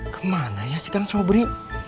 kemana ya sekarang sobri